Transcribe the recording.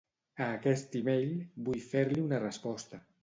A aquest e-mail vull fer-li una resposta.